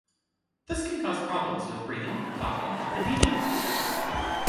This can cause problems with breathing, talking, and eating.